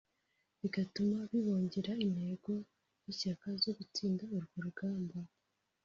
bigatuma bibongerera intege n’ishyaka zo gutsinda urwo rugamba